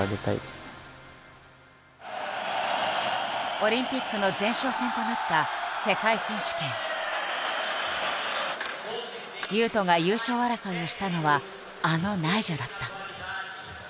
オリンピックの前哨戦となった雄斗が優勝争いをしたのはあのナイジャだった。